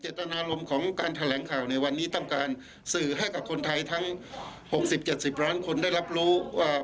ตนารมณ์ของการแถลงข่าวในวันนี้ต้องการสื่อให้กับคนไทยทั้ง๖๐๗๐ล้านคนได้รับรู้ว่า